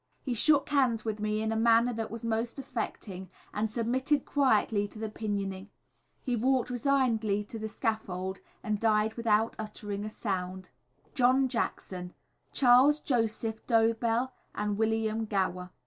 He shook hands with me in a manner that was most affecting, and submitted quietly to the pinioning. He walked resignedly to the scaffold, and died without uttering a sound. [Illustration: John Jackson.] _Charles Joseph Dobell and William Gower.